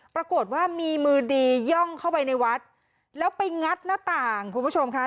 ปรากฏว่ามีมือดีย่องเข้าไปในวัดแล้วไปงัดหน้าต่างคุณผู้ชมค่ะ